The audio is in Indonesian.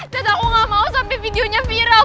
terus aku gak mau sampai videonya viral